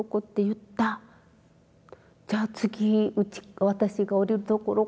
じゃ次私が降りるところかな。